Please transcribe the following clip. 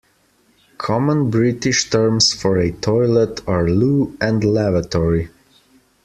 Common British terms for a toilet are loo and lavatory